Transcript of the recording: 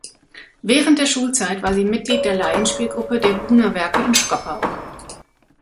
Während der Schulzeit war sie Mitglied der Laienspielgruppe der Buna-Werke in Schkopau.